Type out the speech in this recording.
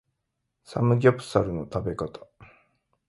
サムギョプサルの食べ方